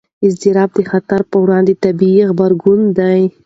اضطراب د خطر پر وړاندې طبیعي غبرګون دی.